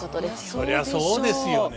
そりゃそうですよね。